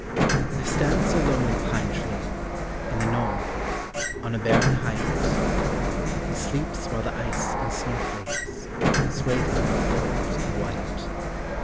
SONG. There stands a lonely pine tree In the north, on a barren height; He sleeps while the ice and snow flakes Swathe him in folds of white.